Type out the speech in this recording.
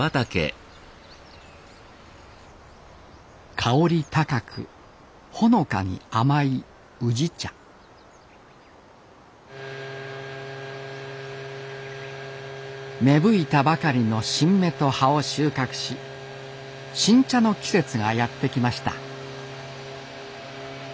香り高くほのかに甘い宇治茶芽吹いたばかりの新芽と葉を収穫し新茶の季節がやって来ました